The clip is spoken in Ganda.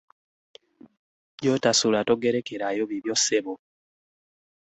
Gy'otasula togerekerayo bibya ssebo.